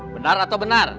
benar atau benar